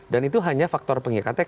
dan itu hanya faktor pengikatnya